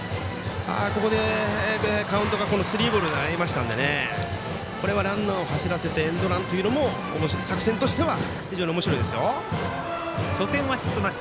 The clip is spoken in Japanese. ここでカウントがスリーボールになりましたのでこれはランナーを走らせてエンドランというのも初戦はヒットなし。